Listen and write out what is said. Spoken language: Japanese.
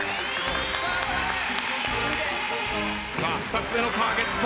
さあ２つ目のターゲット。